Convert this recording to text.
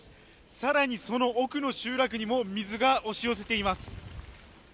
更にその奥の集落にも水が押し寄せています。